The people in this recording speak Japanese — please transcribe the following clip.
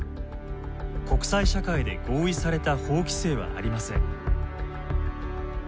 国際社会で合意された法規制はありません。